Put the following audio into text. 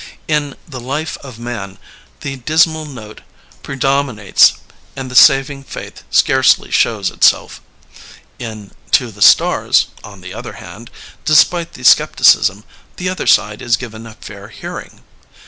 In The Life of Man the dismal note predom inates, and the saving faith scarcely shows itself. In To the Stars, on the other hand, despite the scepticism, the other side is given a fair hearing.